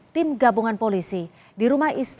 tim gabungan polisi di rumah istri